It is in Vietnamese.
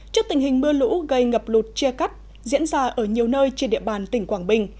trước tình hình mưa lũ gây ngập lụt chia cắt diễn ra ở nhiều nơi trên địa bàn tỉnh quảng bình